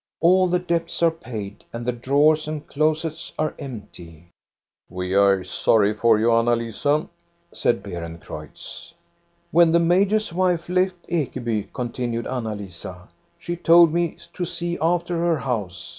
All the debts are paid, and the drawers and closets are empty.* "* We are sorry for you, Anna Lisa,' said Beeren creutz. "' When the major's wife left Ekeby,' continued Anna Lisa, * she told me to see after her house.